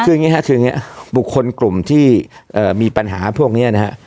คืออย่างนี้ครับบุคคลกลุ่มที่มีปัญหาพวกนี้นะครับ